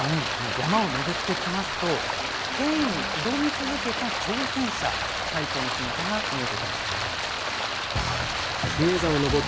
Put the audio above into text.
山を巡ってきますと権威に挑み続けた挑戦者最澄の姿が見えてきました。